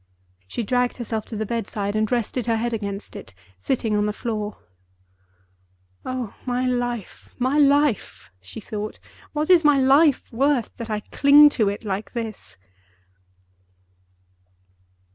She dragged herself to the bedside, and rested her head against it, sitting on the floor. "Oh, my life! my life!" she thought; "what is my life worth, that I cling to it like this?"